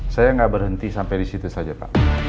saya gak berhenti sampai disitu saja pak